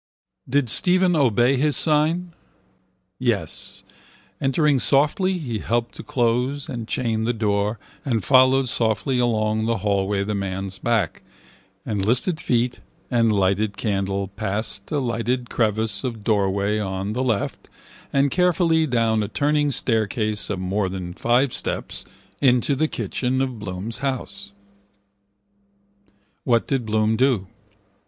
Did Stephen obey his sign? Yes, entering softly, he helped to close and chain the door and followed softly along the hallway the man's back and listed feet and lighted candle past a lighted crevice of doorway on the left and carefully down a turning staircase of more than five steps into the kitchen of Bloom's house. What did Bloom do?